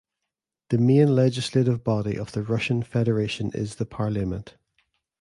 The main legislative body of the Russian Federation is the Parliament.